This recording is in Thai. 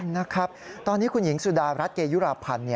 นะครับตอนนี้คุณหญิงสุดารัฐเกยุราพันธ์